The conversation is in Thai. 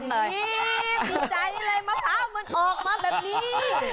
ดีใจเลยมะพร้าวมันออกมาแบบนี้